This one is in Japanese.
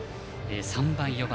３番、４番。